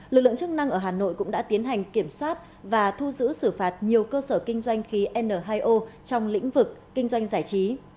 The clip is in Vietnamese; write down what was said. lực lượng chức năng ở hà nội cũng đã tiến hành kiểm soát và thu giữ xử phạt nhiều cơ sở kinh doanh khí n hai o trong lĩnh vực kinh doanh giải trí